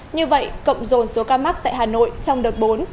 như vậy cộng dồn số ca mắc tại hà nội trong đợt bốn